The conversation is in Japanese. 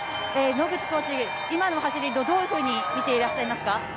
野口コーチ、今の走りをどういうふうに見ていらっしゃいますか。